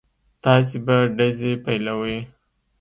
تاسې به ډزې پيلوئ.